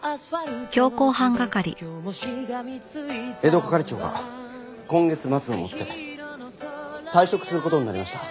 江戸係長が今月末をもって退職する事になりました。